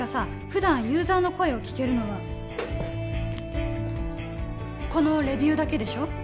普段ユーザーの声を聞けるのはこのレビューだけでしょ？